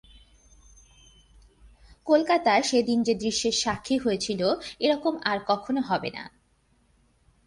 কলকাতা সেদিন যে দৃশ্যের সাক্ষী হয়েছিল এরকম আর কখনো হবেনা।